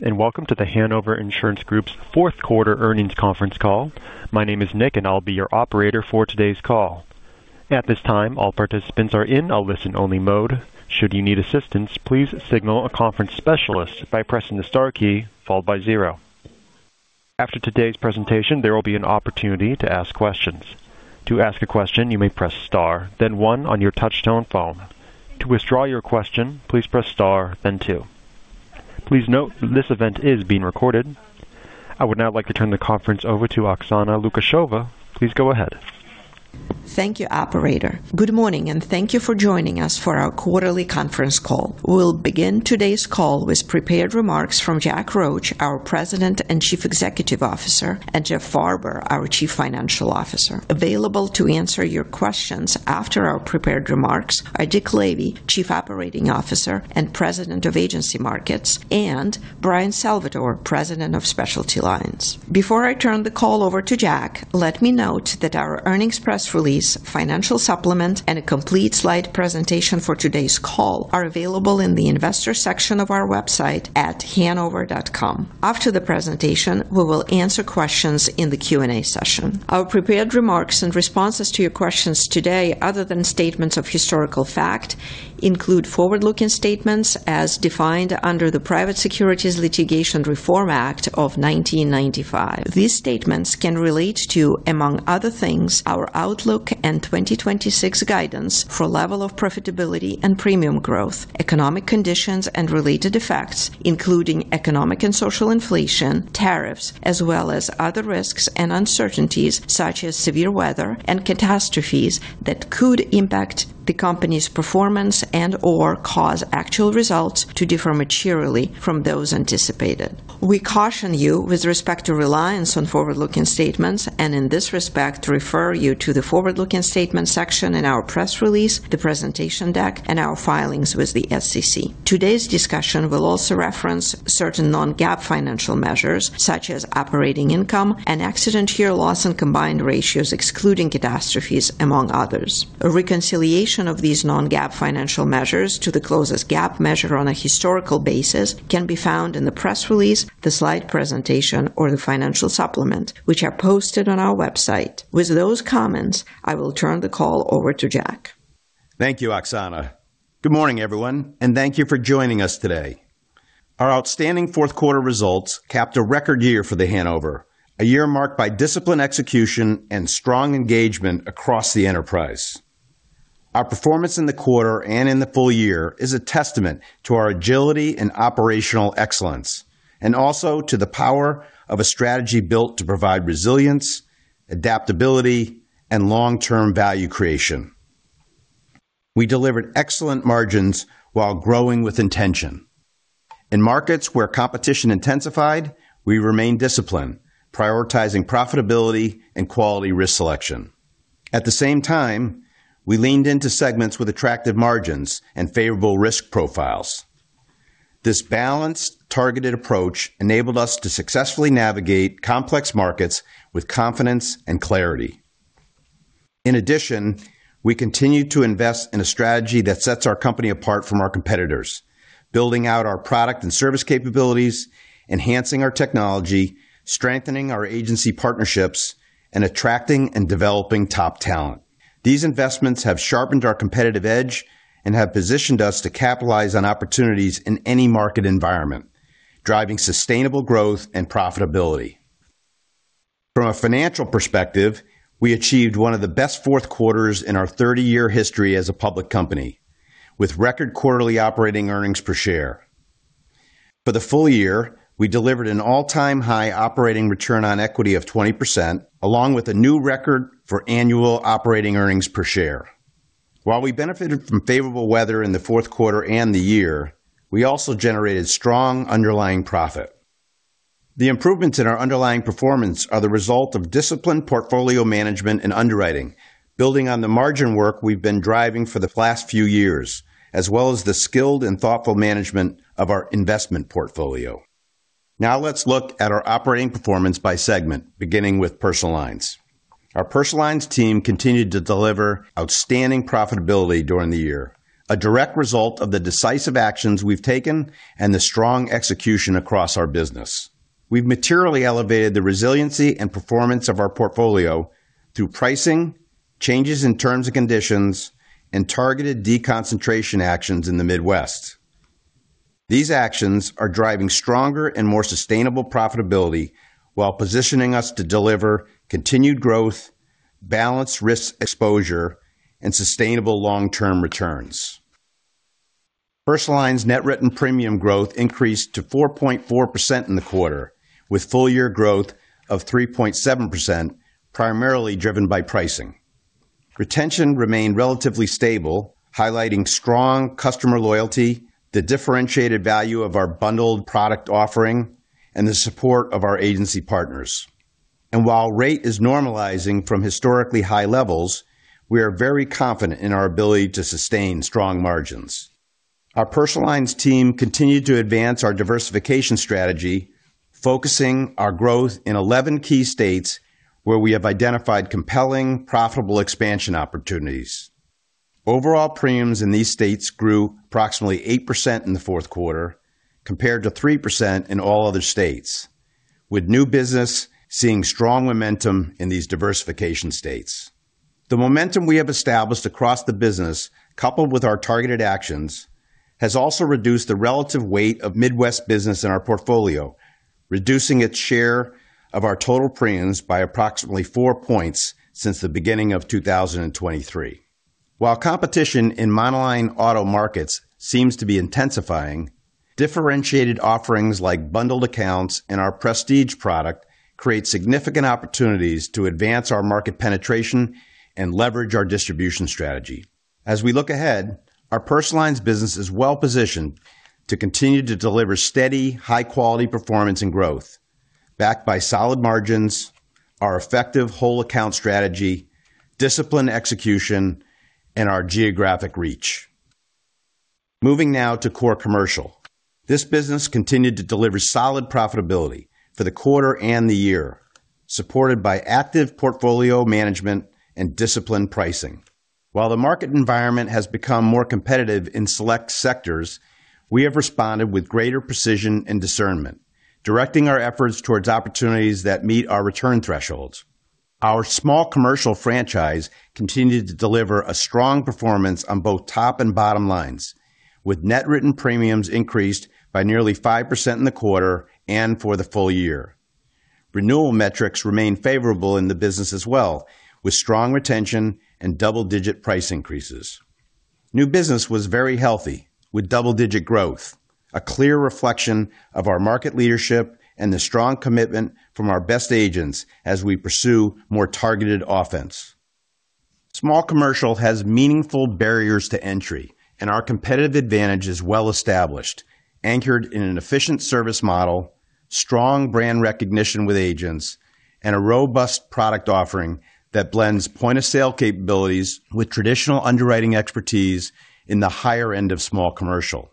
Welcome to The Hanover Insurance Group's fourth quarter earnings conference call. My name is Nick, and I'll be your operator for today's call. At this time, all participants are in a listen-only mode. Should you need assistance, please signal a conference specialist by pressing the star key followed by zero. After today's presentation, there will be an opportunity to ask questions. To ask a question, you may press star, then one on your touchtone phone. To withdraw your question, please press star and two. Please note, this event is being recorded. I would now like to turn the conference over to Oksana Lukasheva. Please go ahead. Thank you, operator. Good morning, and thank you for joining us for our quarterly conference call. We'll begin today's call with prepared remarks from Jack Roche, our President and Chief Executive Officer, and Jeff Farber, our Chief Financial Officer. Available to answer your questions after our prepared remarks are Dick Lavey, Chief Operating Officer and President of Agency Markets, and Bryan Salvatore, President of Specialty Lines. Before I turn the call over to Jack, let me note that our earnings press release, financial supplement, and a complete slide presentation for today's call are available in the investor section of our website at hanover.com. After the presentation, we will answer questions in the Q&A session. Our prepared remarks and responses to your questions today, other than statements of historical fact, include forward-looking statements as defined under the Private Securities Litigation Reform Act of 1995. These statements can relate to, among other things, our outlook and 2026 guidance for level of profitability and premium growth, economic conditions and related effects, including economic and social inflation, tariffs, as well as other risks and uncertainties such as severe weather and catastrophes that could impact the company's performance and/or cause actual results to differ materially from those anticipated. We caution you with respect to reliance on forward-looking statements and, in this respect, refer you to the forward-looking statement section in our press release, the presentation deck, and our filings with the SEC. Today's discussion will also reference certain non-GAAP financial measures, such as operating income and accident year loss and combined ratios, excluding catastrophes, among others. A reconciliation of these non-GAAP financial measures to the closest GAAP measure on a historical basis can be found in the press release, the slide presentation, or the financial supplement, which are posted on our website. With those comments, I will turn the call over to Jack. Thank you, Oksana. Good morning, everyone, and thank you for joining us today. Our outstanding fourth quarter results capped a record year for The Hanover, a year marked by disciplined execution and strong engagement across the enterprise. Our performance in the quarter and in the full year is a testament to our agility and operational excellence, and also to the power of a strategy built to provide resilience, adaptability, and long-term value creation. We delivered excellent margins while growing with intention. In markets where competition intensified, we remained disciplined, prioritizing profitability and quality risk selection. At the same time, we leaned into segments with attractive margins and favorable risk profiles. This balanced, targeted approach enabled us to successfully navigate complex markets with confidence and clarity. In addition, we continued to invest in a strategy that sets our company apart from our competitors, building out our product and service capabilities, enhancing our technology, strengthening our agency partnerships, and attracting and developing top talent. These investments have sharpened our competitive edge and have positioned us to capitalize on opportunities in any market environment, driving sustainable growth and profitability. From a financial perspective, we achieved one of the best fourth quarters in our 30-year history as a public company, with record quarterly operating earnings per share. For the full year, we delivered an all-time high operating return on equity of 20%, along with a new record for annual operating earnings per share. While we benefited from favorable weather in the fourth quarter and the year, we also generated strong underlying profit. The improvements in our underlying performance are the result of disciplined portfolio management and underwriting, building on the margin work we've been driving for the last few years, as well as the skilled and thoughtful management of our investment portfolio. Now let's look at our operating performance by segment, beginning with Personal Lines. Our Personal Lines team continued to deliver outstanding profitability during the year, a direct result of the decisive actions we've taken and the strong execution across our business. We've materially elevated the resiliency and performance of our portfolio through pricing, changes in terms and conditions, and targeted deconcentration actions in the Midwest. These actions are driving stronger and more sustainable profitability while positioning us to deliver continued growth, balanced risk exposure, and sustainable long-term returns. Personal Lines Net Written Premium growth increased to 4.4% in the quarter, with full-year growth of 3.7%, primarily driven by pricing. Retention remained relatively stable, highlighting strong customer loyalty, the differentiated value of our bundled product offering, and the support of our agency partners. While rate is normalizing from historically high levels, we are very confident in our ability to sustain strong margins. Our Personal Lines team continued to advance our diversification strategy, focusing our growth in 11 key states where we have identified compelling, profitable expansion opportunities.... Overall, premiums in these states grew approximately 8% in the fourth quarter, compared to 3% in all other states, with new business seeing strong momentum in these diversification states. The momentum we have established across the business, coupled with our targeted actions, has also reduced the relative weight of Midwest business in our portfolio, reducing its share of our total premiums by approximately four points since the beginning of 2023. While competition in monoline auto markets seems to be intensifying, differentiated offerings like bundled accounts and our Prestige product create significant opportunities to advance our market penetration and leverage our distribution strategy. As we look ahead, our Personal Lines business is well-positioned to continue to deliver steady, high-quality performance and growth, backed by solid margins, our effective whole account strategy, disciplined execution, and our geographic reach. Moving now to Core Commercial. This business continued to deliver solid profitability for the quarter and the year, supported by active portfolio management and disciplined pricing. While the market environment has become more competitive in select sectors, we have responded with greater precision and discernment, directing our efforts towards opportunities that meet our return thresholds. Our Small Commercial franchise continued to deliver a strong performance on both top and bottom lines, with net written premiums increased by nearly 5% in the quarter and for the full year. Renewal metrics remain favorable in the business as well, with strong retention and double-digit price increases. New business was very healthy, with double-digit growth, a clear reflection of our market leadership and the strong commitment from our best agents as we pursue more targeted offense. Small commercial has meaningful barriers to entry, and our competitive advantage is well established, anchored in an efficient service model, strong brand recognition with agents, and a robust product offering that blends point-of-sale capabilities with traditional underwriting expertise in the higher end of Small Commercial.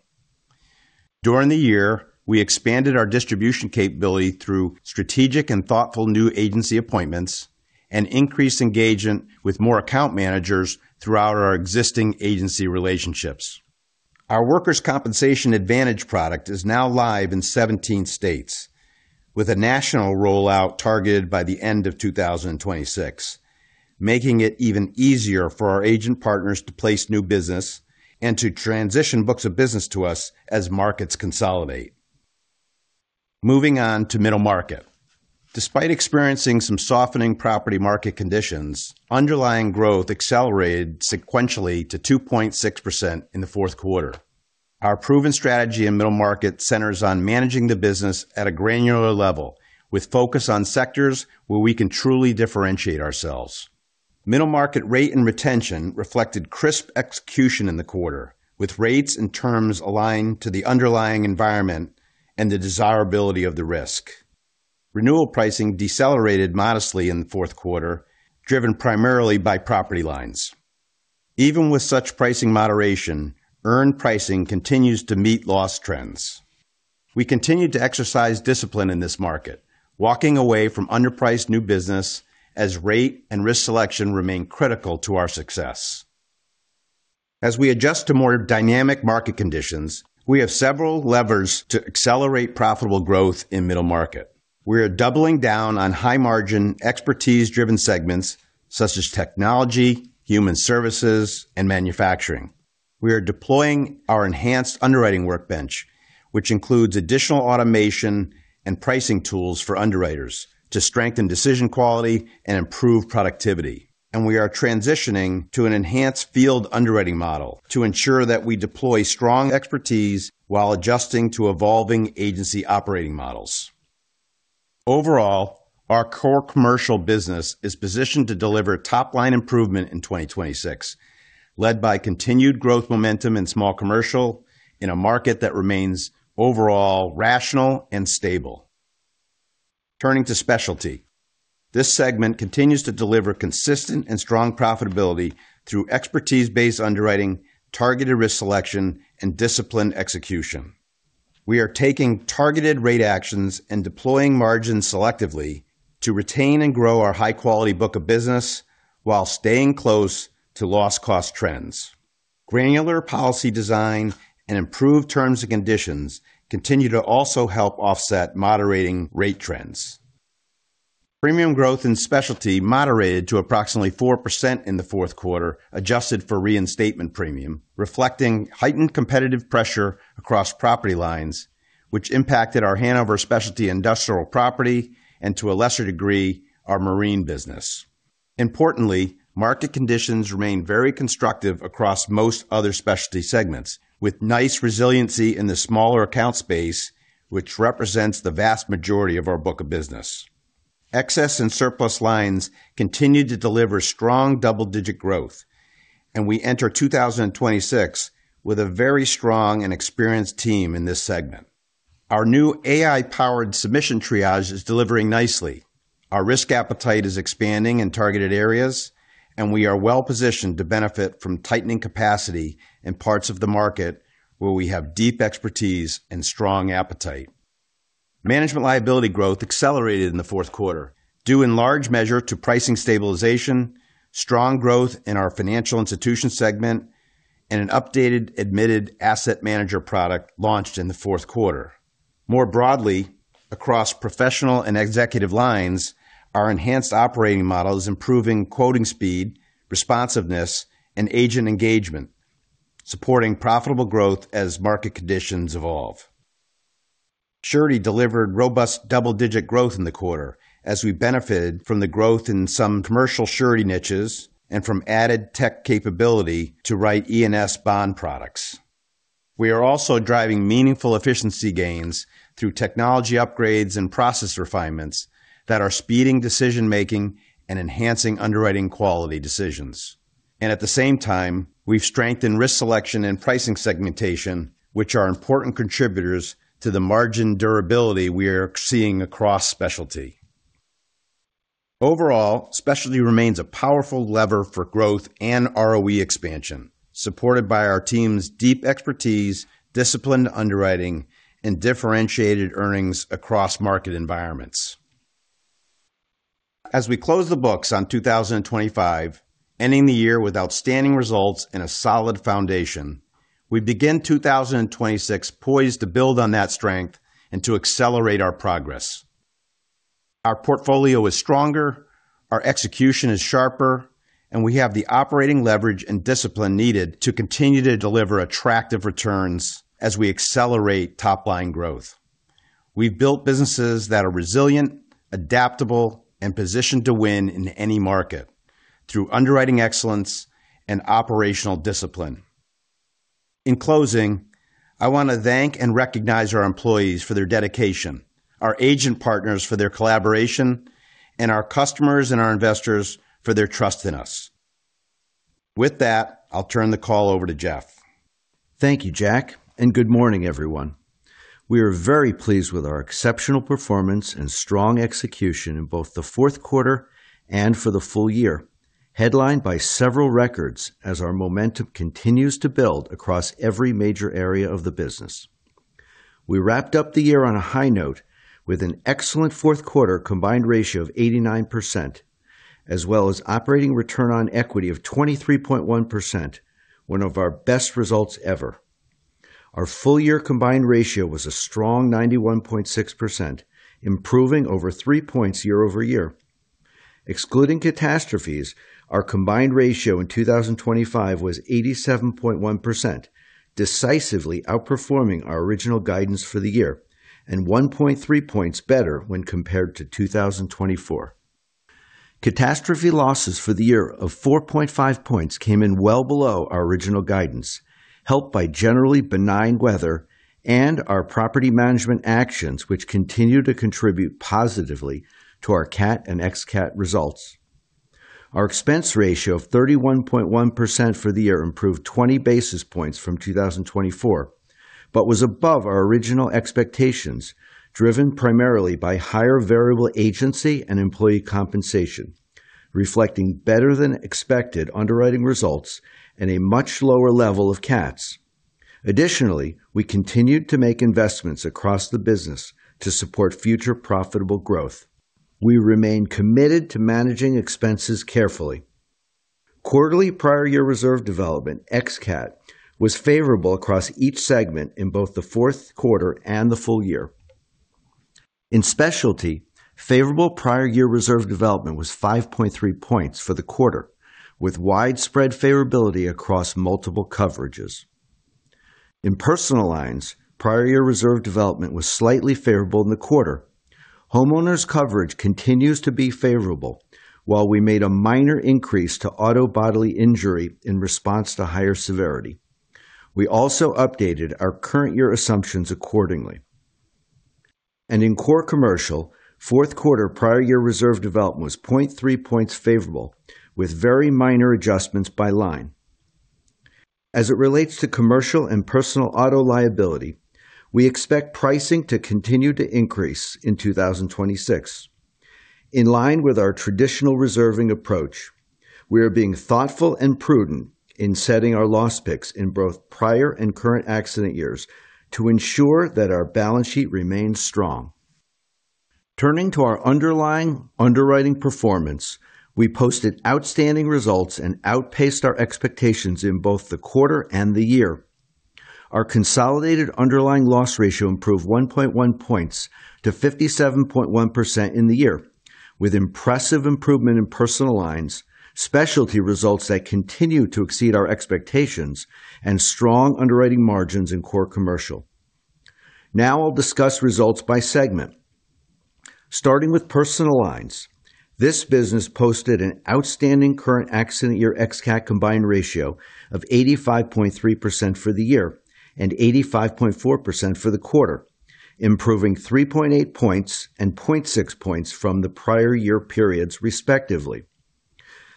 During the year, we expanded our distribution capability through strategic and thoughtful new agency appointments and increased engagement with more account managers throughout our existing agency relationships. Our Workers' Compensation Advantage product is now live in 17 states, with a national rollout targeted by the end of 2026, making it even easier for our agent partners to place new business and to transition books of business to us as markets consolidate. Moving on to Middle Market. Despite experiencing some softening property market conditions, underlying growth accelerated sequentially to 2.6% in the fourth quarter. Our proven strategy in Middle Market centers on managing the business at a granular level, with focus on sectors where we can truly differentiate ourselves. Middle market rate and retention reflected crisp execution in the quarter, with rates and terms aligned to the underlying environment and the desirability of the risk. Renewal pricing decelerated modestly in the fourth quarter, driven primarily by property lines. Even with such pricing moderation, earned pricing continues to meet loss trends. We continued to exercise discipline in this market, walking away from underpriced new business as rate and risk selection remain critical to our success. As we adjust to more dynamic market conditions, we have several levers to accelerate profitable growth in Middle Market. We are doubling down on high-margin, expertise-driven segments such as technology, human services, and manufacturing. We are deploying our enhanced underwriting workbench, which includes additional automation and pricing tools for underwriters to strengthen decision quality and improve productivity. We are transitioning to an enhanced field underwriting model to ensure that we deploy strong expertise while adjusting to evolving agency operating models. Overall, our Core Commercial business is positioned to deliver top-line improvement in 2026, led by continued growth momentum in Small Commercial, in a market that remains overall rational and stable. Turning to Specialty, this segment continues to deliver consistent and strong profitability through expertise-based underwriting, targeted risk selection, and disciplined execution. We are taking targeted rate actions and deploying margins selectively to retain and grow our high-quality book of business while staying close to loss cost trends. Granular policy design and improved terms and conditions continue to also help offset moderating rate trends. Premium growth in Specialty moderated to approximately 4% in the fourth quarter, adjusted for reinstatement premium, reflecting heightened competitive pressure across property lines, which impacted our Hanover Specialty Industrial Property and, to a lesser degree, our Marine business. Importantly, market conditions remain very constructive across most other Specialty segments, with nice resiliency in the smaller account space, which represents the vast majority of our book of business. Excess and Surplus Lines continue to deliver strong double-digit growth, and we enter 2026 with a very strong and experienced team in this segment. Our new AI-powered submission triage is delivering nicely. Our risk appetite is expanding in targeted areas, and we are well-positioned to benefit from tightening capacity in parts of the market where we have deep expertise and strong appetite.... Management liability growth accelerated in the fourth quarter, due in large measure to pricing stabilization, strong growth in our Financial Institution segment, and an updated admitted asset manager product launched in the fourth quarter. More broadly, across professional and executive lines, our enhanced operating model is improving quoting speed, responsiveness, and agent engagement, supporting profitable growth as market conditions evolve. Surety delivered robust double-digit growth in the quarter as we benefited from the growth in some Commercial Surety niches and from added tech capability to write E&S bond products. We are also driving meaningful efficiency gains through technology upgrades and process refinements that are speeding decision-making and enhancing underwriting quality decisions. At the same time, we've strengthened risk selection and pricing segmentation, which are important contributors to the margin durability we are seeing across Specialty. Overall, Specialty remains a powerful lever for growth and ROE expansion, supported by our team's deep expertise, disciplined underwriting, and differentiated earnings across market environments. As we close the books on 2025, ending the year with outstanding results and a solid foundation, we begin 2026 poised to build on that strength and to accelerate our progress. Our portfolio is stronger, our execution is sharper, and we have the operating leverage and discipline needed to continue to deliver attractive returns as we accelerate top-line growth. We've built businesses that are resilient, adaptable, and positioned to win in any market through underwriting excellence and operational discipline. In closing, I want to thank and recognize our employees for their dedication, our agent partners for their collaboration, and our customers and our investors for their trust in us. With that, I'll turn the call over to Jeff. Thank you, Jack, and good morning, everyone. We are very pleased with our exceptional performance and strong execution in both the fourth quarter and for the full year, headlined by several records as our momentum continues to build across every major area of the business. We wrapped up the year on a high note with an excellent fourth quarter combined ratio of 89%, as well as operating return on equity of 23.1%, one of our best results ever. Our full-year combined ratio was a strong 91.6%, improving over three points year-over-year. Excluding catastrophes, our combined ratio in 2025 was 87.1%, decisively outperforming our original guidance for the year, and one point three points better when compared to 2024. Catastrophe losses for the year of 4.5 points came in well below our original guidance, helped by generally benign weather and our property management actions, which continue to contribute positively to our CAT and ex-CAT results. Our expense ratio of 31.1% for the year improved 20 basis points from 2024, but was above our original expectations, driven primarily by higher variable agency and employee compensation, reflecting better-than-expected underwriting results and a much lower level of CATs. Additionally, we continued to make investments across the business to support future profitable growth. We remain committed to managing expenses carefully. Quarterly prior year reserve development, ex-CAT, was favorable across each segment in both the fourth quarter and the full year. In Specialty, favorable prior year reserve development was 5.3 points for the quarter, with widespread favorability across multiple coverages. In Personal Lines, prior year reserve development was slightly favorable in the quarter. Homeowners coverage continues to be favorable, while we made a minor increase to auto bodily injury in response to higher severity. We also updated our current year assumptions accordingly. In Core Commercial, fourth quarter prior year reserve development was 0.3 points favorable, with very minor adjustments by line. As it relates to commercial and Personal Auto liability, we expect pricing to continue to increase in 2026. In line with our traditional reserving approach, we are being thoughtful and prudent in setting our loss picks in both prior and current accident years to ensure that our balance sheet remains strong. Turning to our underlying underwriting performance, we posted outstanding results and outpaced our expectations in both the quarter and the year. Our consolidated underlying loss ratio improved 1.1 points to 57.1% in the year, with impressive improvement in Personal Lines, Specialty results that continue to exceed our expectations, and strong underwriting margins in Core Commercial. Now I'll discuss results by segment. Starting with Personal Lines, this business posted an outstanding current accident year ex-CAT combined ratio of 85.3% for the year and 85.4% for the quarter, improving 3.8 points and 0.6 points from the prior year periods, respectively.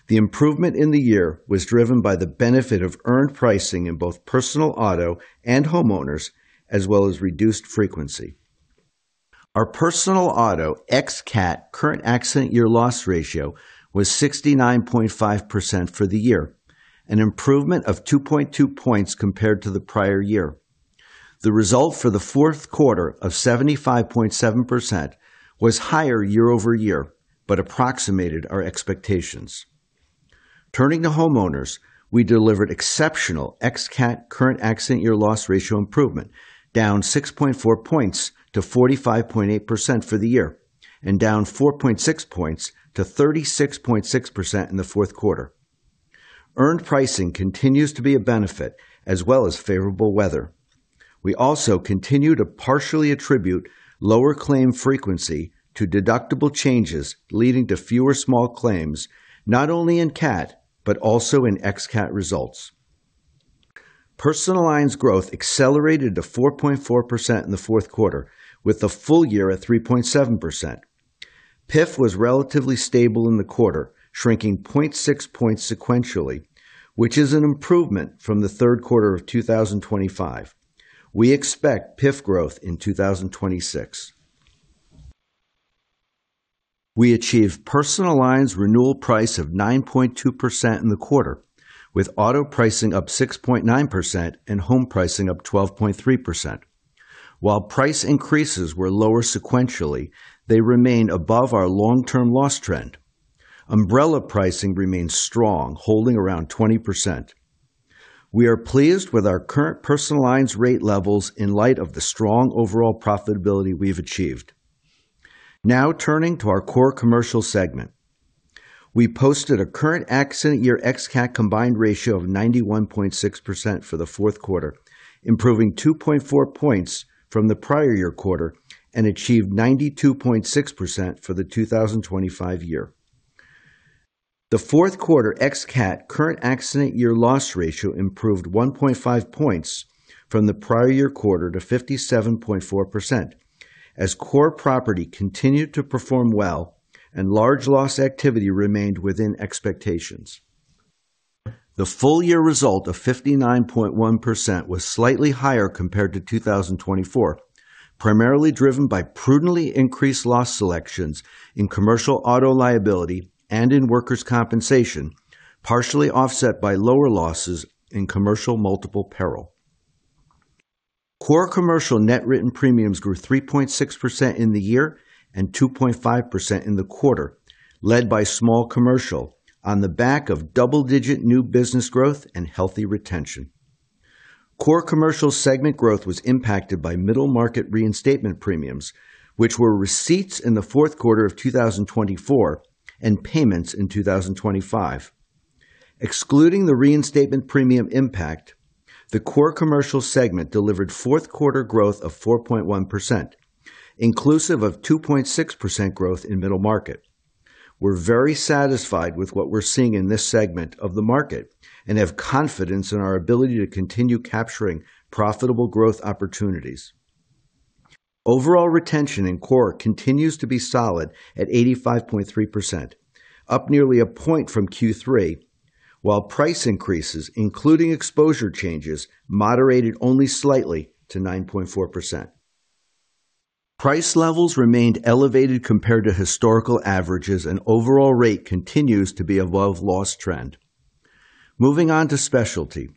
The improvement in the year was driven by the benefit of earned pricing in both Personal Auto and Homeowners, as well as reduced frequency. Our Personal Auto ex-CAT current accident year loss ratio was 69.5% for the year, an improvement of 2.2 points compared to the prior year. The result for the fourth quarter of 75.7% was higher year-over-year, but approximated our expectations. Turning to Homeowners, we delivered exceptional ex-CAT current accident year loss ratio improvement, down 6.4 points to 45.8% for the year and down 4.6 points to 36.6% in the fourth quarter. Earned pricing continues to be a benefit as well as favorable weather. We also continue to partially attribute lower claim frequency to deductible changes, leading to fewer small claims, not only in CAT but also in ex-CAT results. Personal lines growth accelerated to 4.4% in the fourth quarter, with the full year at 3.7%. PIF was relatively stable in the quarter, shrinking 0.6 points sequentially, which is an improvement from the third quarter of 2025. We expect PIF growth in 2026. We achieved Personal Lines renewal price of 9.2% in the quarter, with auto pricing up 6.9% and home pricing up 12.3%. While price increases were lower sequentially, they remain above our long-term loss trend. Umbrella pricing remains strong, holding around 20%. We are pleased with our current Personal Lines rate levels in light of the strong overall profitability we've achieved. Now, turning to our Core Commercial segment. We posted a current accident year ex-CAT combined ratio of 91.6% for the fourth quarter, improving 2.4 points from the prior year quarter, and achieved 92.6% for the 2025 year. The fourth quarter ex-CAT current accident year loss ratio improved 1.5 points from the prior year quarter to 57.4%, as core property continued to perform well and large loss activity remained within expectations. The full year result of 59.1% was slightly higher compared to 2024, primarily driven by prudently increased loss selections in commercial auto liability and in workers' compensation, partially offset by lower losses in Commercial Multiple Peril. Core Commercial net written premiums grew 3.6% in the year and 2.5% in the quarter, led by Small Commercial on the back of double-digit new business growth and healthy retention. Core Commercial segment growth was impacted by Middle Market reinstatement premiums, which were receipts in the fourth quarter of 2024 and payments in 2025. Excluding the reinstatement premium impact, the Core Commercial segment delivered fourth quarter growth of 4.1%, inclusive of 2.6% growth in Middle Market. We're very satisfied with what we're seeing in this segment of the market and have confidence in our ability to continue capturing profitable growth opportunities. Overall retention in core continues to be solid at 85.3%, up nearly a point from Q3, while price increases, including exposure changes, moderated only slightly to 9.4%. Price levels remained elevated compared to historical averages, and overall rate continues to be above loss trend. Moving on to Specialty.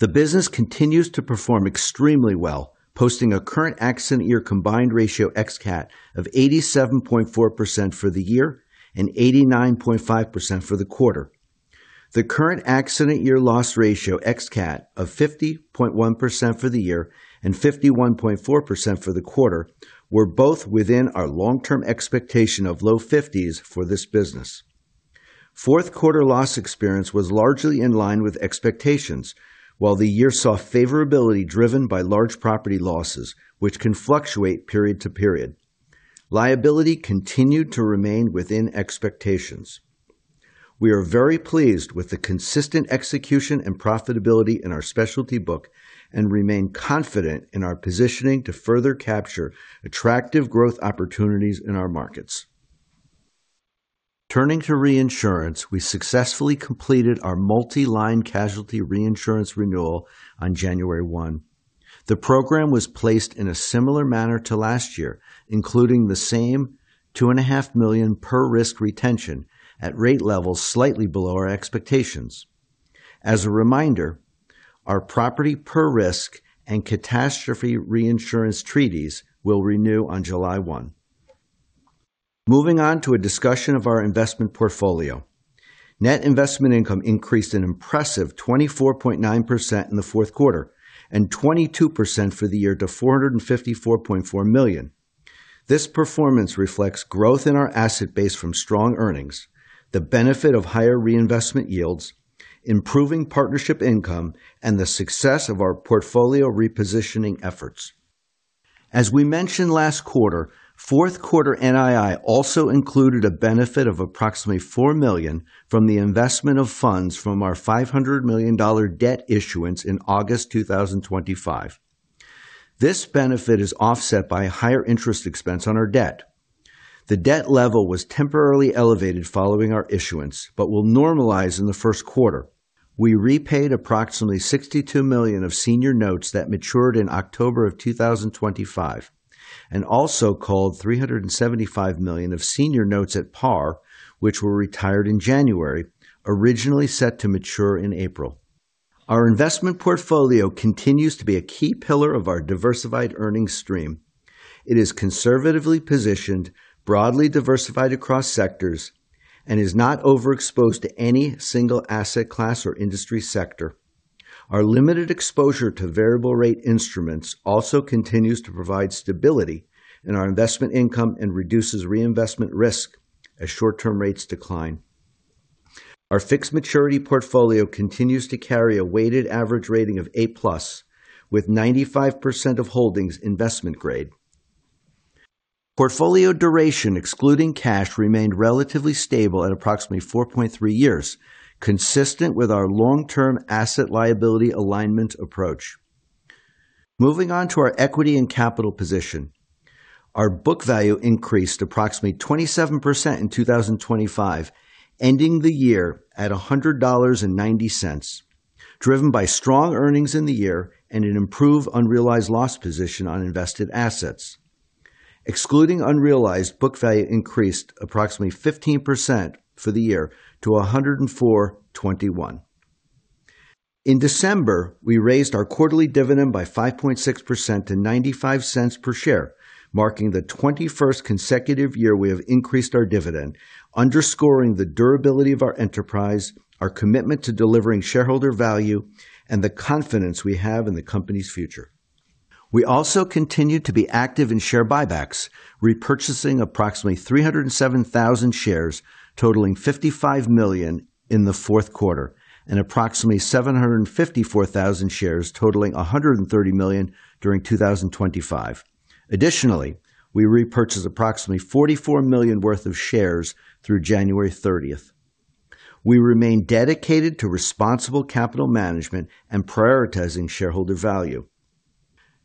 The business continues to perform extremely well, posting a current accident year combined ratio ex-CAT of 87.4% for the year and 89.5% for the quarter. The current accident year loss ratio, ex-CAT, of 50.1% for the year and 51.4% for the quarter, were both within our long-term expectation of low fifties for this business. Fourth quarter loss experience was largely in line with expectations, while the year saw favorability driven by large property losses, which can fluctuate period to period. Liability continued to remain within expectations. We are very pleased with the consistent execution and profitability in our Specialty book and remain confident in our positioning to further capture attractive growth opportunities in our markets. Turning to reinsurance, we successfully completed our multi-line casualty reinsurance renewal on January one. The program was placed in a similar manner to last year, including the same $2.5 million per risk retention at rate levels slightly below our expectations. As a reminder, our property per risk and catastrophe reinsurance treaties will renew on July one. Moving on to a discussion of our investment portfolio. Net investment income increased an impressive 24.9% in the fourth quarter and 22% for the year to $454.4 million. This performance reflects growth in our asset base from strong earnings, the benefit of higher reinvestment yields, improving partnership income, and the success of our portfolio repositioning efforts. As we mentioned last quarter, fourth quarter NII also included a benefit of approximately $4 million from the investment of funds from our $500 million debt issuance in August 2025. This benefit is offset by a higher interest expense on our debt. The debt level was temporarily elevated following our issuance, but will normalize in the first quarter. We repaid approximately $62 million of senior notes that matured in October 2025, and also called $375 million of senior notes at par, which were retired in January, originally set to mature in April. Our investment portfolio continues to be a key pillar of our diversified earnings stream. It is conservatively positioned, broadly diversified across sectors, and is not overexposed to any single asset class or industry sector. Our limited exposure to variable rate instruments also continues to provide stability in our investment income and reduces reinvestment risk as short-term rates decline. Our fixed maturity portfolio continues to carry a weighted average rating of A plus, with 95% of holdings investment grade. Portfolio duration, excluding cash, remained relatively stable at approximately four point three years, consistent with our long-term asset liability alignment approach. Moving on to our equity and capital position. Our book value increased approximately 27% in 2025, ending the year at $100.90, driven by strong earnings in the year and an improved unrealized loss position on invested assets. Excluding unrealized, book value increased approximately 15% for the year to $104.21. In December, we raised our quarterly dividend by 5.6% to $0.95 per share, marking the 21st consecutive year we have increased our dividend, underscoring the durability of our enterprise, our commitment to delivering shareholder value, and the confidence we have in the company's future. We also continue to be active in share buybacks, repurchasing approximately 307,000 shares, totaling $55 million in the fourth quarter, and approximately 754,000 shares, totaling $130 million during 2025. Additionally, we repurchased approximately $44 million worth of shares through January 30. We remain dedicated to responsible capital management and prioritizing shareholder value.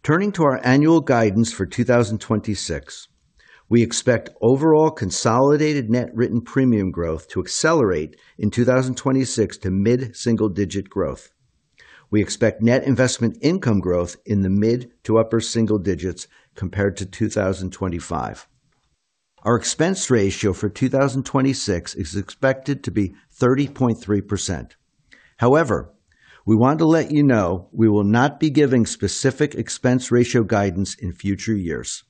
Turning to our annual guidance for 2026, we expect overall consolidated net written premium growth to accelerate in 2026 to mid-single-digit growth. We expect net investment income growth in the mid to upper single digits compared to 2025. Our expense ratio for 2026 is expected to be 30.3%. However, we want to let you know we will not be giving specific expense ratio guidance in future years.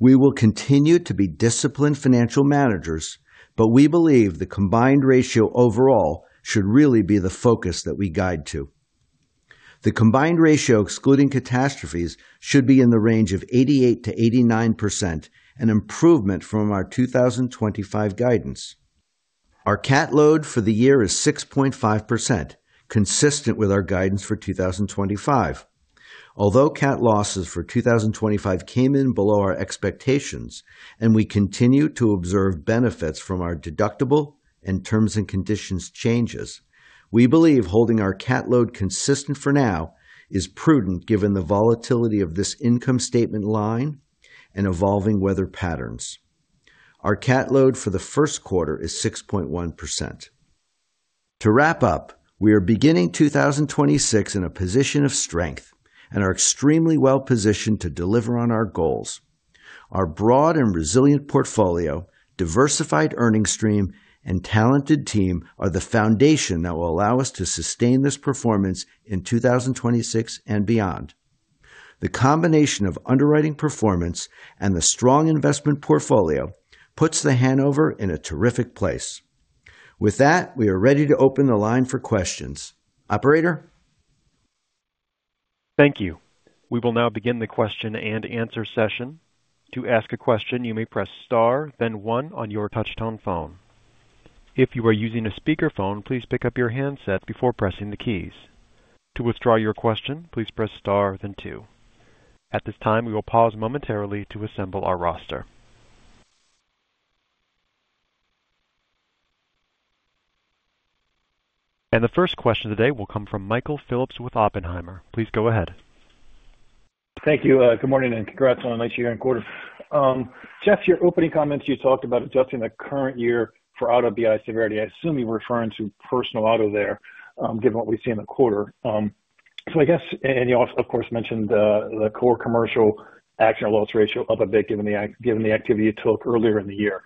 We will continue to be disciplined financial managers, but we believe the combined ratio overall should really be the focus that we guide to. The combined ratio, excluding catastrophes, should be in the range of 88%-89%, an improvement from our 2025 guidance. Our CAT load for the year is 6.5%, consistent with our guidance for 2025. Although CAT losses for 2025 came in below our expectations, and we continue to observe benefits from our deductible and terms and conditions changes, we believe holding our CAT load consistent for now is prudent, given the volatility of this income statement line and evolving weather patterns. Our CAT load for the first quarter is 6.1%. To wrap up, we are beginning 2026 in a position of strength and are extremely well-positioned to deliver on our goals. Our broad and resilient portfolio, diversified earning stream, and talented team are the foundation that will allow us to sustain this performance in 2026 and beyond. The combination of underwriting performance and the strong investment portfolio puts The Hanover in a terrific place. With that, we are ready to open the line for questions. Operator? Thank you. We will now begin the question and answer session. To ask a question, you may press star, then one on your touchtone phone. If you are using a speakerphone, please pick up your handset before pressing the keys. To withdraw your question, please press star, then two. At this time, we will pause momentarily to assemble our roster. The first question today will come from Michael Phillips with Oppenheimer. Please go ahead. Thank you. Good morning, and congrats on a nice year and quarter. Jeff, your opening comments, you talked about adjusting the current year for auto BI severity. I assume you were referring to personal auto there, given what we see in the quarter. So I guess... And you also, of course, mentioned the Core Commercial actual loss ratio up a bit, given the activity you took earlier in the year.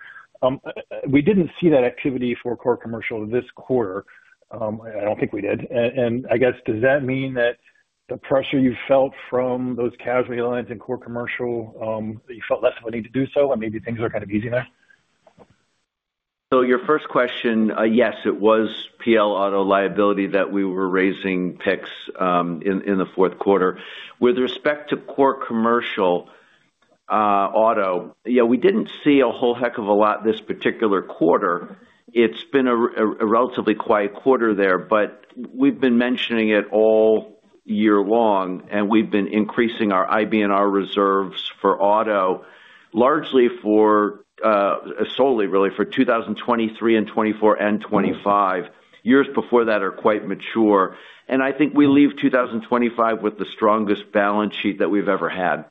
We didn't see that activity for Core Commercial this quarter. I don't think we did. And I guess, does that mean that the pressure you felt from those casualty lines in Core Commercial, that you felt less of a need to do so and maybe things are kind of easy there? So your first question, yes, it was PL auto liability that we were raising picks, in the fourth quarter. With respect to Core Commercial, auto, yeah, we didn't see a whole heck of a lot this particular quarter. It's been a relatively quiet quarter there, but we've been mentioning it all year long, and we've been increasing our IBNR reserves for auto, largely for, solely really for 2023 and 2024 and 2025. Years before that are quite mature, and I think we leave 2025 with the strongest balance sheet that we've ever had.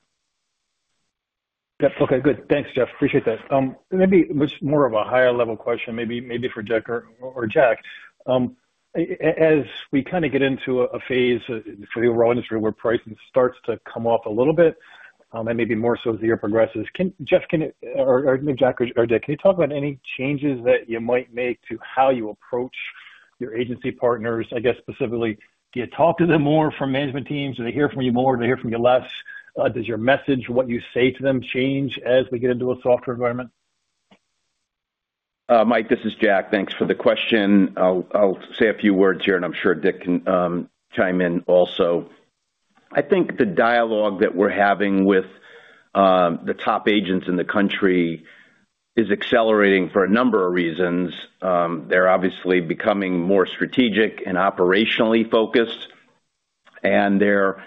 Yep. Okay, good. Thanks, Jeff. Appreciate that. Maybe it was more of a higher level question, maybe for Jack. As we kind of get into a phase for the overall industry where pricing starts to come off a little bit, and maybe more so as the year progresses. Can Jeff, or maybe Jack or Dick, can you talk about any changes that you might make to how you approach your agency partners? I guess, specifically, do you talk to them more from management teams? Do they hear from you more? Do they hear from you less? Does your message, what you say to them, change as we get into a softer environment? Mike, this is Jack. Thanks for the question. I'll say a few words here, and I'm sure Dick can chime in also. I think the dialogue that we're having with the top agents in the country is accelerating for a number of reasons. They're obviously becoming more strategic and operationally focused, and they're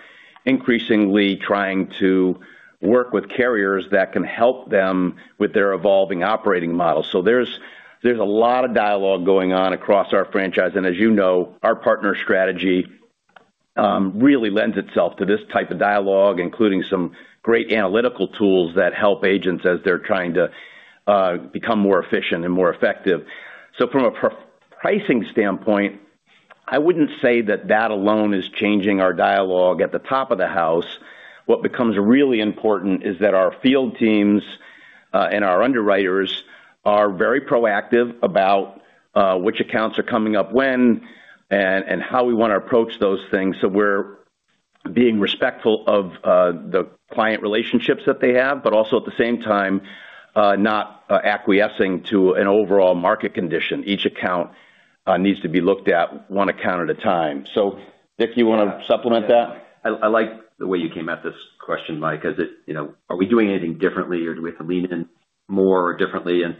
increasingly trying to work with carriers that can help them with their evolving operating model. So there's a lot of dialogue going on across our franchise, and as you know, our partner strategy really lends itself to this type of dialogue, including some great analytical tools that help agents as they're trying to become more efficient and more effective. So from a pricing standpoint, I wouldn't say that that alone is changing our dialogue at the top of the house. What becomes really important is that our field teams and our underwriters are very proactive about which accounts are coming up when, and how we want to approach those things. So we're being respectful of the client relationships that they have, but also at the same time, not acquiescing to an overall market condition. Each account needs to be looked at one account at a time. So, Dick, you want to supplement that? I like the way you came at this question, Mike, 'cause it, you know, are we doing anything differently or do we have to lean in more or differently? And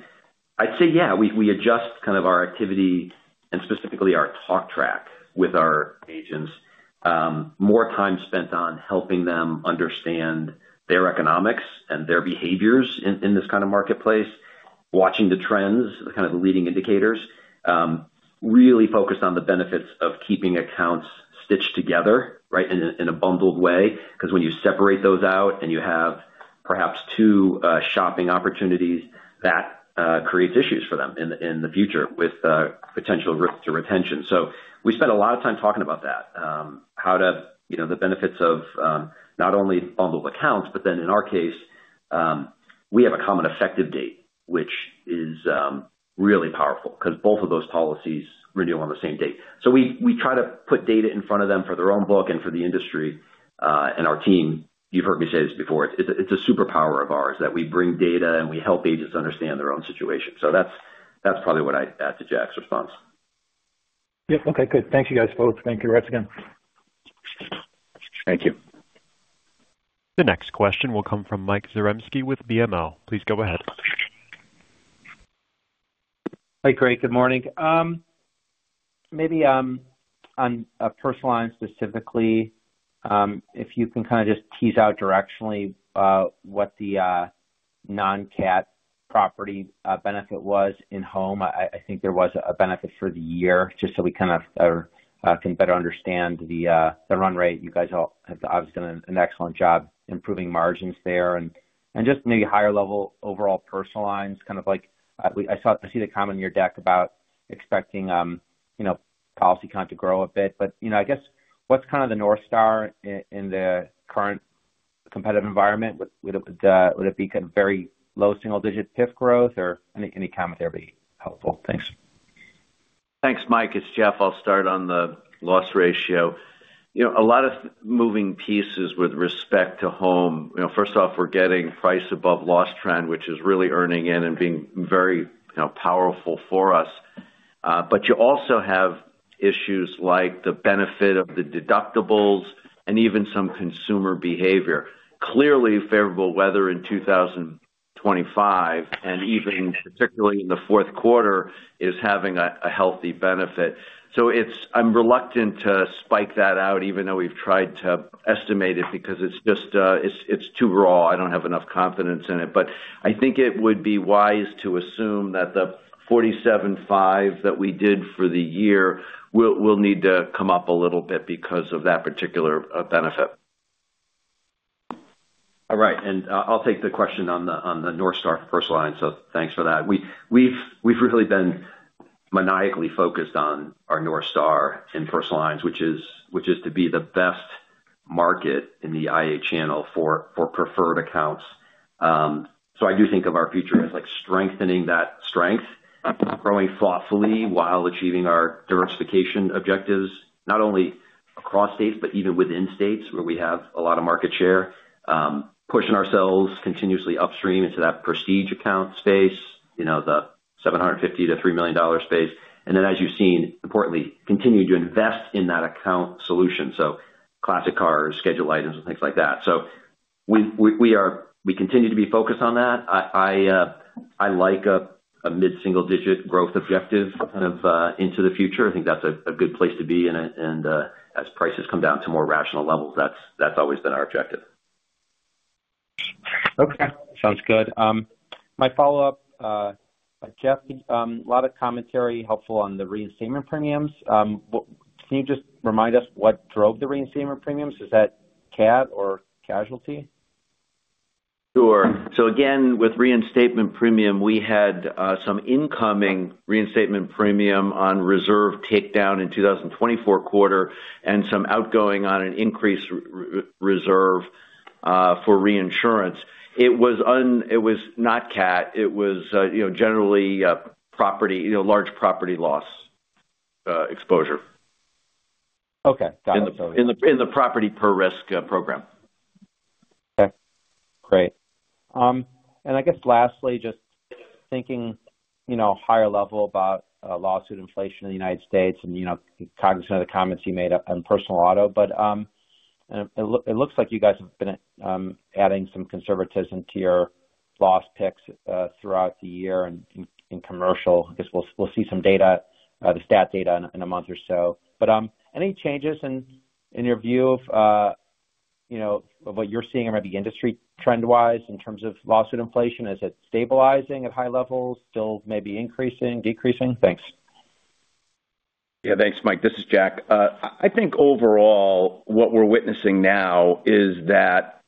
I'd say, yeah, we adjust kind of our activity and specifically our talk track with our agents. More time spent on helping them understand their economics and their behaviors in this kind of marketplace, watching the trends, the kind of the leading indicators. Really focused on the benefits of keeping accounts stitched together, right, in a bundled way, because when you separate those out and you have perhaps two shopping opportunities, that creates issues for them in the future with potential risk to retention. So we spend a lot of time talking about that. You know, the benefits of not only bundled accounts, but then in our case, we have a common effective date, which is really powerful, 'cause both of those policies renew on the same date. So we, we try to put data in front of them for their own book and for the industry, and our team. You've heard me say this before, it's a, it's a superpower of ours, that we bring data, and we help agents understand their own situation. So that's, that's probably what I'd add to Jack's response. Yep. Okay, good. Thank you, guys, folks. Thank you once again. Thank you. The next question will come from Mike Zaremski with BMO. Please go ahead. Hi, great. Good morning. Maybe on personal line specifically, if you can kind of just tease out directionally, what the non-CAT property benefit was in home. I, I think there was a benefit for the year, just so we kind of can better understand the the run rate. You guys all have obviously done an excellent job improving margins there and, and just maybe higher level overall Personal Lines, kind of like, I, I saw - I see the comment in your deck about expecting, you know, policy count to grow a bit. But, you know, I guess, what's kind of the North Star in in the current competitive environment? Would, would it, would would it be kind of very low single-digit PIF growth or any, any commentary helpful? Thanks. Thanks, Mike. It's Jeff. I'll start on the loss ratio. You know, a lot of moving pieces with respect to home. You know, first off, we're getting price above loss trend, which is really earning in and being very, you know, powerful for us. But you also have issues like the benefit of the deductibles and even some consumer behavior. Clearly, favorable weather in 2025, and even particularly in the fourth quarter, is having a healthy benefit. So it's... I'm reluctant to single that out, even though we've tried to estimate it, because it's just, it's too raw. I don't have enough confidence in it. But I think it would be wise to assume that the 47.5 that we did for the year will need to come up a little bit because of that particular benefit. All right, I'll take the question on the North Star personal line, so thanks for that. We've really been maniacally focused on our North Star in Personal Lines, which is to be the best market in the IA channel for preferred accounts. So I do think of our future as, like, strengthening that strength, growing thoughtfully while achieving our diversification objectives, not only across states, but even within states where we have a lot of market share. Pushing ourselves continuously upstream into that Prestige account space, you know, the $750-$3 million space. And then, as you've seen, importantly, continue to invest in that account solution, so classic cars, schedule items, and things like that. So we continue to be focused on that. I like a mid-single-digit growth objective kind of into the future. I think that's a good place to be, and as prices come down to more rational levels, that's always been our objective. Okay, sounds good. My follow-up, Jeff, a lot of commentary helpful on the reinstatement premiums. Can you just remind us what drove the reinstatement premiums? Is that CAT or casualty? ...So again, with reinstatement premium, we had some incoming reinstatement premium on reserve takedown in 2024 quarter and some outgoing on an increased reserve for reinsurance. It was not CAT, it was, you know, generally, property, you know, large property loss exposure. Okay. In the property per risk program. Okay, great. And I guess lastly, just thinking, you know, higher level about lawsuit inflation in the United States and, you know, cognizant of the comments you made on personal auto, but and it looks like you guys have been adding some conservatism to your loss picks throughout the year and in commercial. I guess we'll see some data, the stat data in a month or so. But any changes in your view of what you're seeing or maybe industry trend-wise, in terms of lawsuit inflation? Is it stabilizing at high levels, still maybe increasing, decreasing? Thanks. Yeah, thanks, Mike. This is Jack. I think overall, what we're witnessing now is that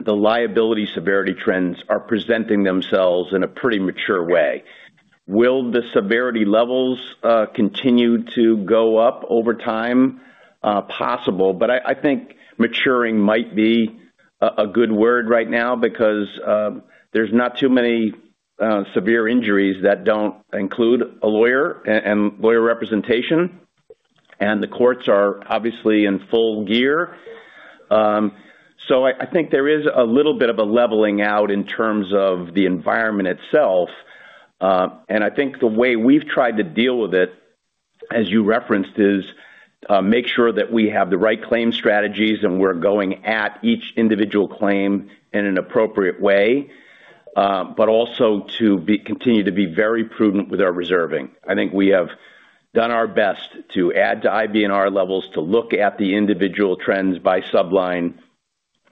the liability severity trends are presenting themselves in a pretty mature way. Will the severity levels continue to go up over time? Possible. But I think maturing might be a good word right now because there's not too many severe injuries that don't include a lawyer and lawyer representation, and the courts are obviously in full gear. So I think there is a little bit of a leveling out in terms of the environment itself, and I think the way we've tried to deal with it, as you referenced, is to make sure that we have the right claim strategies, and we're going at each individual claim in an appropriate way, but also to continue to be very prudent with our reserving. I think we have done our best to add to IBNR levels, to look at the individual trends by subline,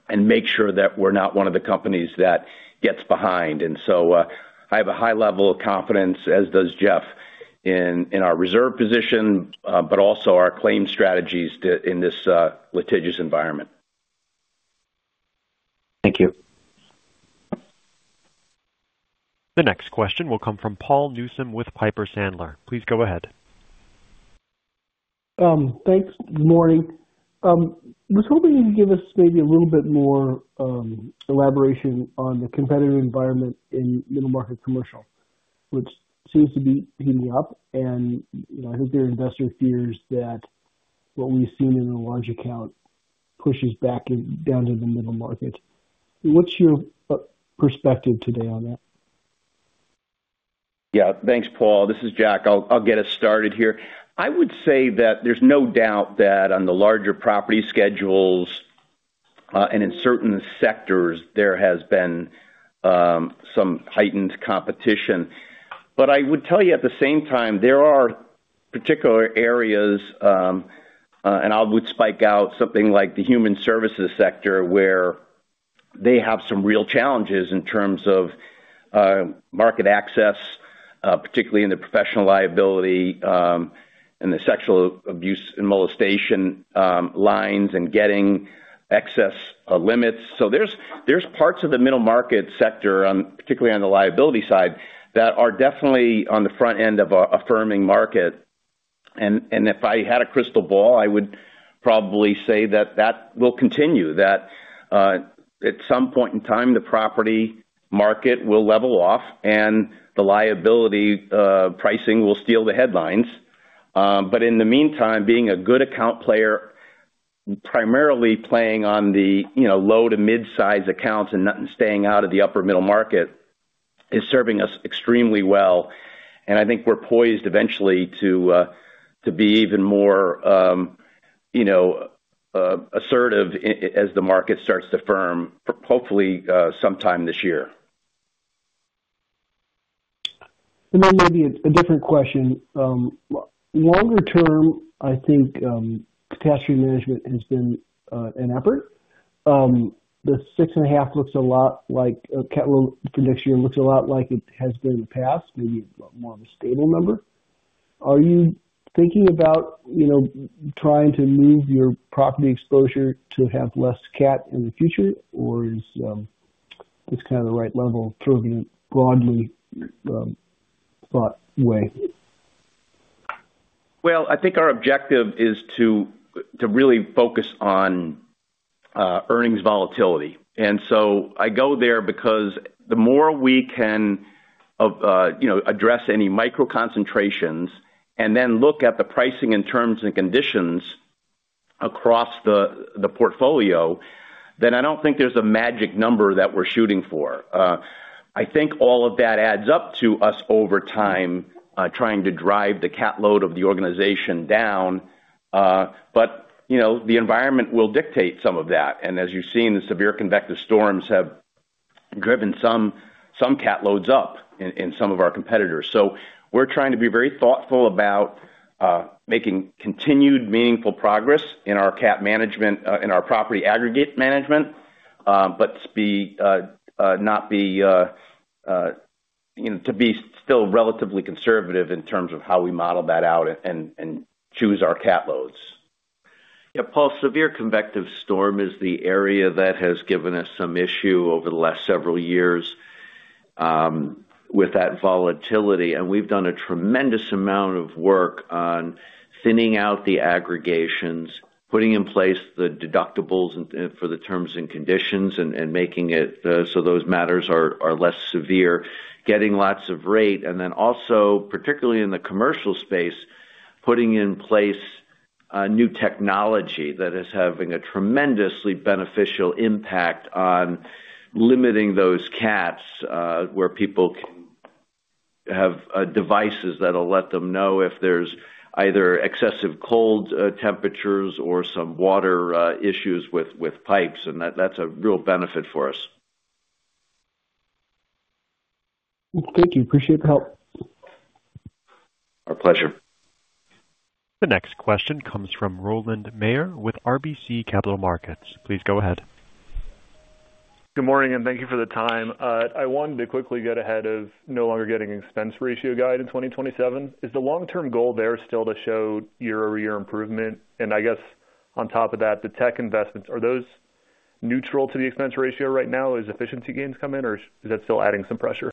and make sure that we're not one of the companies that gets behind. And so, I have a high level of confidence, as does Jeff, in our reserve position, but also our claim strategies to... in this litigious environment. Thank you. The next question will come from Paul Newsome with Piper Sandler. Please go ahead. Thanks. Good morning. I was hoping you could give us maybe a little bit more elaboration on the competitive environment in Middle Market commercial, which seems to be heating up, and, you know, I hope your investor fears that what we've seen in the large account pushes back in, down into the Middle Market. What's your perspective today on that? Yeah. Thanks, Paul. This is Jack. I'll get us started here. I would say that there's no doubt that on the larger property schedules, and in certain sectors, there has been some heightened competition. But I would tell you at the same time, there are particular areas, and I would single out something like the human services sector, where they have some real challenges in terms of market access, particularly in the professional liability, and the sexual abuse and molestation lines and getting excess limits. So there's parts of the Middle Market sector, particularly on the liability side, that are definitely on the front end of a firming market. And if I had a crystal ball, I would probably say that that will continue. That, at some point in time, the property market will level off, and the liability pricing will steal the headlines. But in the meantime, being a good account player, primarily playing on the, you know, low to mid-size accounts and not staying out of the upper Middle Market, is serving us extremely well, and I think we're poised eventually to be even more, you know, assertive as the market starts to firm, hopefully, sometime this year. Then maybe a different question. Longer term, I think, catastrophe management has been an effort. The six point five looks a lot like a CAT load prediction, looks a lot like it has been in the past, maybe more of a stable number. Are you thinking about, you know, trying to move your property exposure to have less CAT in the future, or is it kind of the right level sort of in broadly thought way? Well, I think our objective is to really focus on earnings volatility. And so I go there because the more we can of you know, address any micro concentrations and then look at the pricing and terms and conditions across the portfolio, then I don't think there's a magic number that we're shooting for. I think all of that adds up to us over time trying to drive the CAT load of the organization down, but you know, the environment will dictate some of that. And as you've seen, the Severe Convective Storms have driven some CAT loads up in some of our competitors. So we're trying to be very thoughtful about making continued meaningful progress in our CAT management in our property aggregate management, but you know to be still relatively conservative in terms of how we model that out and choose our CAT loads. Yeah, Paul, severe convective storm is the area that has given us some issue over the last several years with that volatility. And we've done a tremendous amount of work on thinning out the aggregations, putting in place the deductibles and, for the terms and conditions, and making it so those matters are less severe, getting lots of rate, and then also, particularly in the commercial space, putting in place new technology that is having a tremendously beneficial impact on limiting those CATs, where people can have devices that'll let them know if there's either excessive cold temperatures or some water issues with pipes, and that's a real benefit for us. Thank you. Appreciate the help. Our pleasure. The next question comes from Roland Mayer with RBC Capital Markets. Please go ahead. Good morning, and thank you for the time. I wanted to quickly get ahead of no longer getting expense ratio guide in 2027. Is the long-term goal there still to show year-over-year improvement? I guess on top of that, the tech investments, are those neutral to the expense ratio right now as efficiency gains come in, or is that still adding some pressure?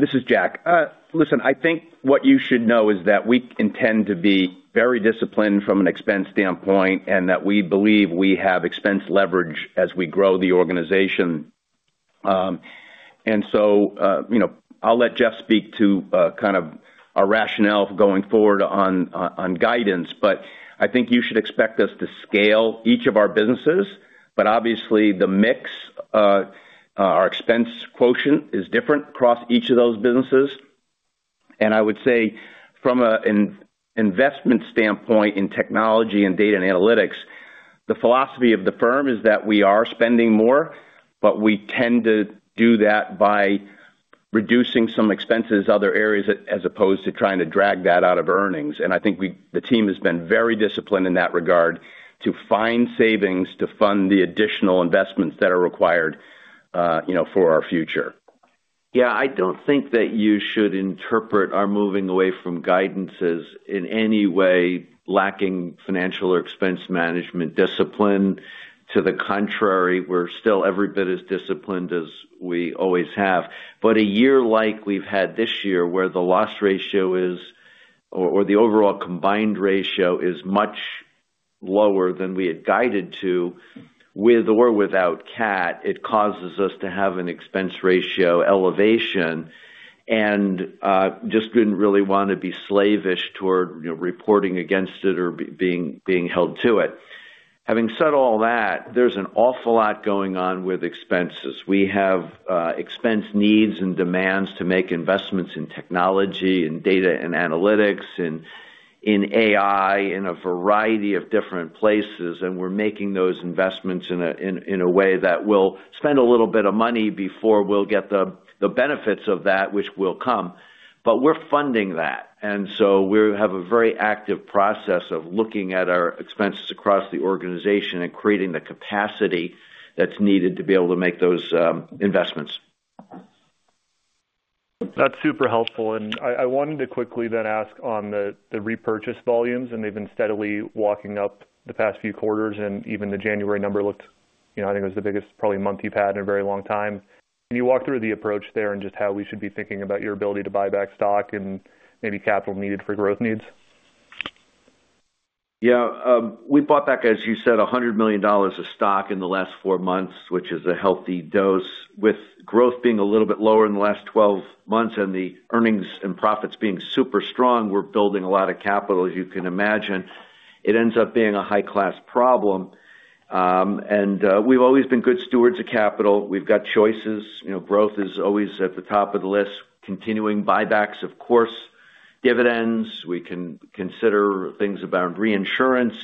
This is Jack. Listen, I think what you should know is that we intend to be very disciplined from an expense standpoint and that we believe we have expense leverage as we grow the organization. And so, you know, I'll let Jeff speak to kind of our rationale going forward on guidance, but I think you should expect us to scale each of our businesses. But obviously, the mix, our expense quotient is different across each of those businesses. And I would say from an investment standpoint in technology and data and analytics, the philosophy of the firm is that we are spending more, but we tend to do that by reducing some expenses other areas, as opposed to trying to drag that out of earnings. And I think the team has been very disciplined in that regard to find savings to fund the additional investments that are required, you know, for our future. Yeah, I don't think that you should interpret our moving away from guidances in any way lacking financial or expense management discipline. To the contrary, we're still every bit as disciplined as we always have. But a year like we've had this year, where the loss ratio is, or the overall combined ratio is much lower than we had guided to, with or without CAT, it causes us to have an expense ratio elevation and, just didn't really want to be slavish toward, you know, reporting against it or being held to it. Having said all that, there's an awful lot going on with expenses. We have expense needs and demands to make investments in technology and data and analytics, in AI, in a variety of different places, and we're making those investments in a way that will spend a little bit of money before we'll get the benefits of that, which will come. But we're funding that, and so we have a very active process of looking at our expenses across the organization and creating the capacity that's needed to be able to make those investments. That's super helpful. I wanted to quickly then ask on the repurchase volumes, and they've been steadily walking up the past few quarters, and even the January number looked, you know, I think it was the biggest probably month you've had in a very long time. Can you walk through the approach there and just how we should be thinking about your ability to buy back stock and maybe capital needed for growth needs? Yeah, we bought back, as you said, $100 million of stock in the last four months, which is a healthy dose. With growth being a little bit lower in the last 12 months and the earnings and profits being super strong, we're building a lot of capital. As you can imagine, it ends up being a high-class problem. We've always been good stewards of capital. We've got choices. You know, growth is always at the top of the list. Continuing buybacks, of course, dividends. We can consider things around reinsurance,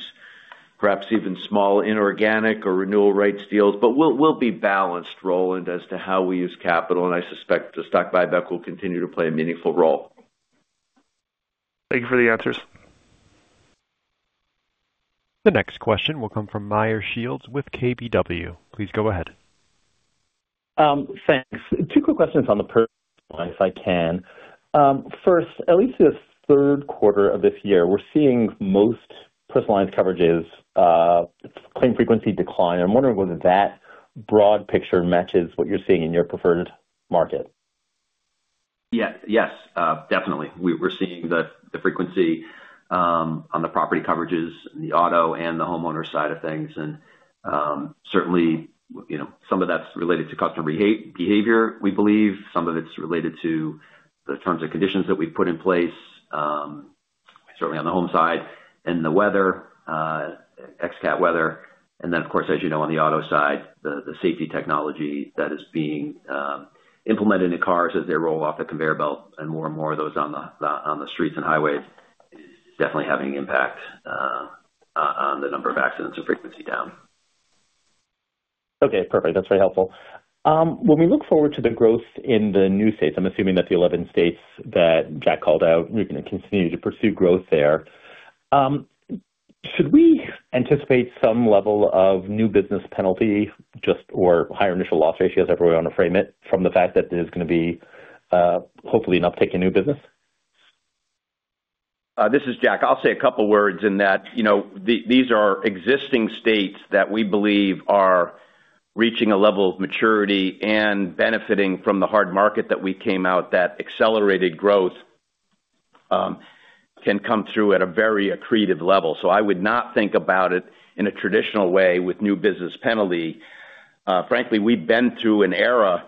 perhaps even small inorganic or renewal rights deals, but we'll, we'll be balanced, Roland, as to how we use capital, and I suspect the stock buyback will continue to play a meaningful role. Thank you for the answers. The next question will come from Meyer Shields with KBW. Please go ahead. Thanks. Two quick questions on the Personal Lines, if I can. First, at least this third quarter of this year, we're seeing most Personal Lines coverages, claim frequency decline. I'm wondering whether that broad picture matches what you're seeing in your preferred market. Yes, yes, definitely. We're seeing the frequency on the property coverages, the auto and the homeowner side of things. And certainly, you know, some of that's related to customer behavior. We believe some of it's related to the terms and conditions that we've put in place, certainly on the home side and the weather, ex-CAT weather. And then, of course, as you know, on the auto side, the safety technology that is being implemented in cars as they roll off the conveyor belt and more and more of those on the streets and highways, is definitely having an impact on the number of accidents or frequency down. Okay, perfect. That's very helpful. When we look forward to the growth in the new states, I'm assuming that the 11 states that Jack called out, you're going to continue to pursue growth there. Should we anticipate some level of new business penalty just or higher initial loss ratios, however you want to frame it, from the fact that there's going to be hopefully not take a new business? This is Jack. I'll say a couple of words in that, you know, these are existing states that we believe are reaching a level of maturity and benefiting from the hard market that we came out, that accelerated growth can come through at a very accretive level. So I would not think about it in a traditional way with new business penalty. Frankly, we've been through an era,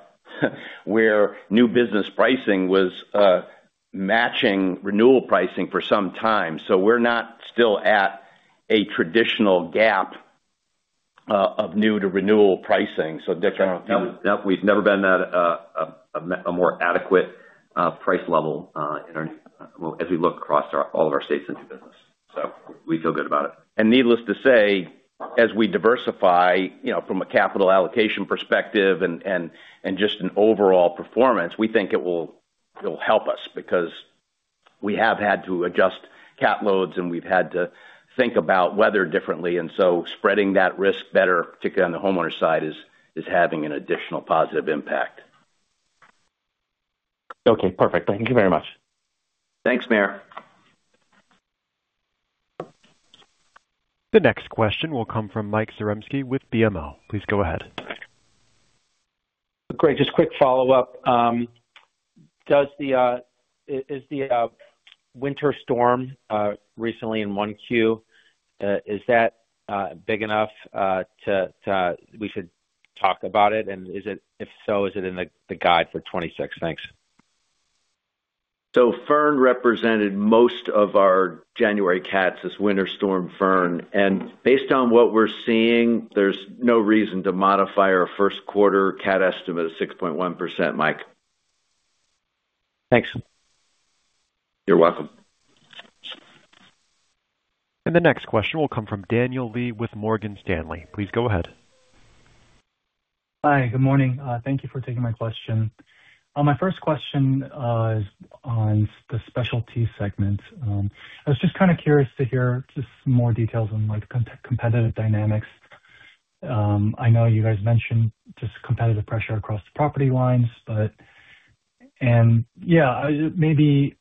where new business pricing was matching renewal pricing for some time. So we're not still at a traditional gap of new to renewal pricing. So, Dick, I don't know. No, we've never been at a more adequate price level in our well, as we look across all of our states into business, so we feel good about it. Needless to say, as we diversify, you know, from a capital allocation perspective and just an overall performance, we think it will, it'll help us because we have had to adjust CAT loads, and we've had to think about weather differently, and so spreading that risk better, particularly on the homeowner side, is having an additional positive impact. Okay, perfect. Thank you very much. Thanks, Meyer. The next question will come from Mike Zaremski with BMO. Please go ahead. Great. Just quick follow-up. Does the winter storm recently in 1Q, is that big enough to, we should talk about it, and is it, if so, is it in the guide for 2026? Thanks. Fern represented most of our January CATs, this winter storm, Fern. Based on what we're seeing, there's no reason to modify our first quarter CAT estimate of 6.1%, Mike. Thanks. You're welcome. The next question will come from Daniel Lee with Morgan Stanley. Please go ahead. Hi, good morning. Thank you for taking my question. My first question is on the Specialty segment. I was just kind of curious to hear just some more details on, like, competitive dynamics. I know you guys mentioned just competitive pressure across the property lines, but yeah, maybe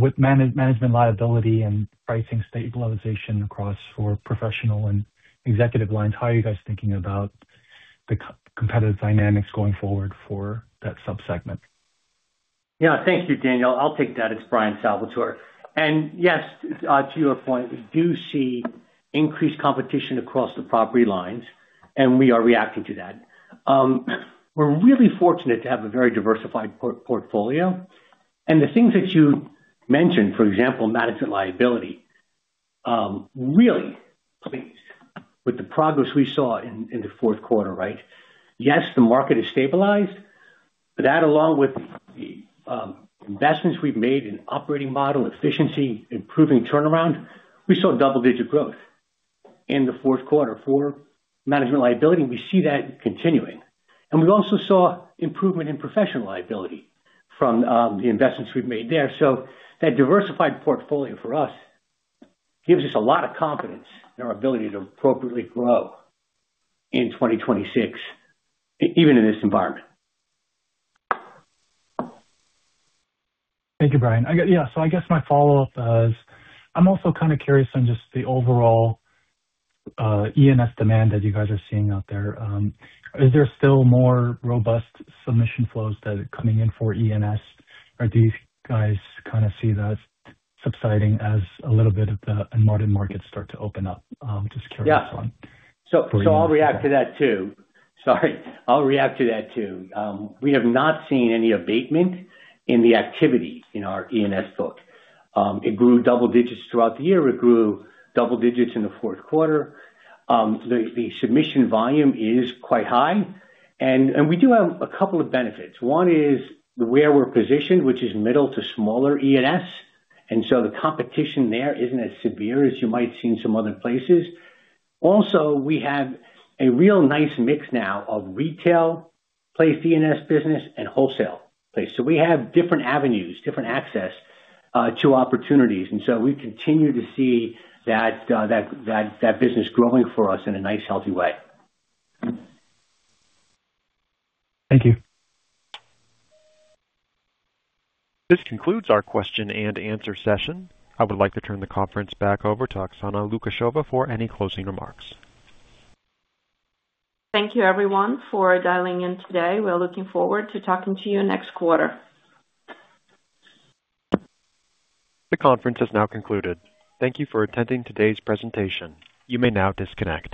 with management liability and pricing stabilization across for professional and executive lines, how are you guys thinking about the competitive dynamics going forward for that sub-segment? Yeah, thank you, Daniel. I'll take that. It's Bryan Salvatore. And yes, to your point, we do see increased competition across the property lines, and we are reacting to that. We're really fortunate to have a very diversified portfolio. And the things that you mentioned, for example, management liability, really, with the progress we saw in the fourth quarter, right? Yes, the market is stabilized. That, along with the investments we've made in operating model efficiency, improving turnaround, we saw double-digit growth in the fourth quarter. For management liability, we see that continuing. And we also saw improvement in professional liability from the investments we've made there. So that diversified portfolio for us gives us a lot of confidence in our ability to appropriately grow in 2026, even in this environment. Thank you, Bryan. Yeah, so I guess my follow-up is, I'm also kind of curious on just the overall E&S demand that you guys are seeing out there. Is there still more robust submission flows that are coming in for E&S, or do you guys kind of see that subsiding as a little bit of the admitted markets start to open up? Just curious on- Yeah. So I'll react to that, too. Sorry, I'll react to that, too. We have not seen any abatement in the activity in our E&S book. It grew double digits throughout the year. It grew double digits in the fourth quarter. The submission volume is quite high, and we do have a couple of benefits. One is where we're positioned, which is middle to smaller E&S, and so the competition there isn't as severe as you might see in some other places. Also, we have a real nice mix now of retail-play E&S business, and wholesale play. So we have different avenues, different access to opportunities, and so we continue to see that business growing for us in a nice, healthy way. Thank you. This concludes our question-and-answer session. I would like to turn the conference back over to Oksana Lukasheva for any closing remarks. Thank you, everyone, for dialing in today. We're looking forward to talking to you next quarter. The conference has now concluded. Thank you for attending today's presentation. You may now disconnect.